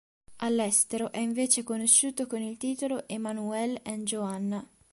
All'estero è invece conosciuto con il titolo Emanuelle and Joanna.